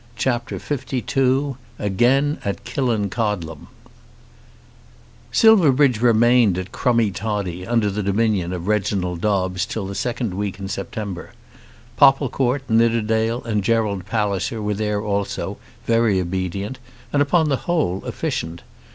CHAPTER XLII Again at Killancodlem Silverbridge remained at Crummie Toddie under the dominion of Reginald Dobbes till the second week in September. Popplecourt, Nidderdale, and Gerald Palliser were there also, very obedient, and upon the whole efficient.